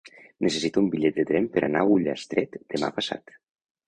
Necessito un bitllet de tren per anar a Ullastret demà passat.